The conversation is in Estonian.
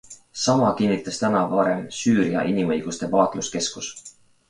Sama kinnitas täna varem Süüria Inimõiguste Vaatluskeskus.